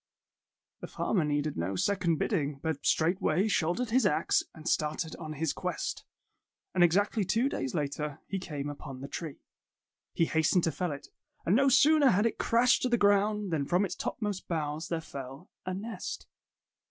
'' The farmer needed no second bidding, but straightway shouldered his axe, and started on his quest. And exactly two days later he came upon the tree. He hastened to fell it, and no sooner had it crashed to the lOI 102 Tales of Modern Germany ground than from its topmost boughs there fell a nest.